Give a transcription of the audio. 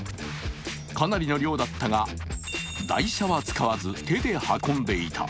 かなりの量だったが台車は使わず、手で運んでいた。